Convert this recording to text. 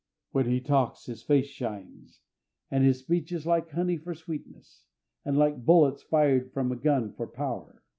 When he talks his face shines, and his speech is like honey for sweetness, and like bullets fired from a gun for power.